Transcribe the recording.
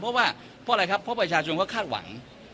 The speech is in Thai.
เพราะว่าเพราะอะไรครับเพราะประชาชนเขาคาดหวัง